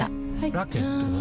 ラケットは？